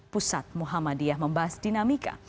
pusat muhammadiyah membahas dinamika